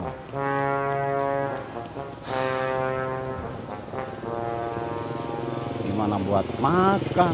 gimana buat makan